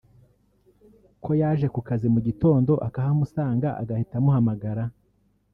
ko yaje ku kazi mu gitondo akahamusanga agahita amuhamagara